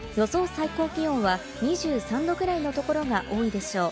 最高気温は２３度ぐらいのところが多いでしょう。